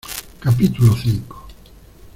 capítulo cinco.